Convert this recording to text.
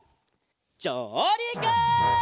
じょうりく！